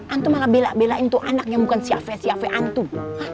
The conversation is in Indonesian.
antum malah belak belakin tuh anak yang bukan si hp si hp antum